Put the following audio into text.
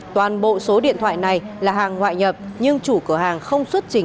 toàn bộ số điện thoại này là hàng ngoại nhập nhưng chủ cửa hàng không xuất trình